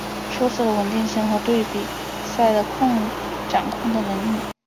出色的稳定性和对比赛的掌控能力。